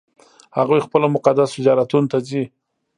هغوی خپلو مقدسو زیارتونو ته ځي.